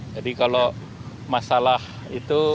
jadi kalau masalah itu